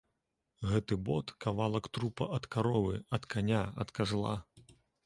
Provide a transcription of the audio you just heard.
Гэты бот кавалак трупа ад каровы, ад каня, ад казла!